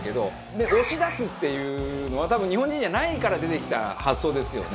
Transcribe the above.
で押し出すっていうのは多分日本人じゃないから出てきた発想ですよね。